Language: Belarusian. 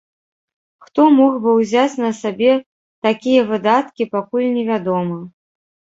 Хто мог бы ўзяць на сабе такія выдаткі, пакуль не вядома.